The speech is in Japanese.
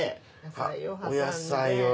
あお野菜を。